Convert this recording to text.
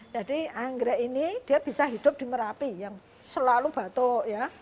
jadi anggrek ini dia bisa hidup di merapi yang selalu batuk ya